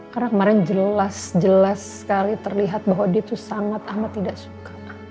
karena kemarin jelas jelas sekali terlihat bahwa dia tuh sangat amat tidak suka